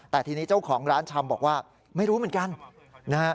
แต่ทีนี้เจ้าของร้านชำบอกว่าไม่รู้เหมือนกันนะฮะ